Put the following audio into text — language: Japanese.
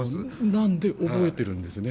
なんで覚えてるんですね